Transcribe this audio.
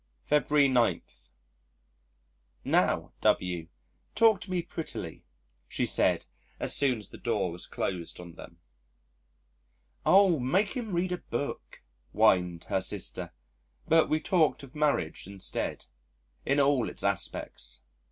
February 9. ... "Now, W , talk to me prettily," she said as soon as the door was closed on them. "Oh! make him read a book," whined her sister, but we talked of marriage instead in all its aspects.